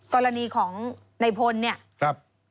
กรณีของในพลเนี่ย